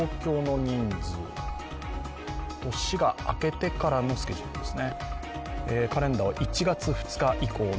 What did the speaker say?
年が明けてからのスケジュールですね。